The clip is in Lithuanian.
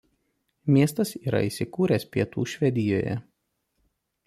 Miestas yra įsikūręs Pietų Švedijoje.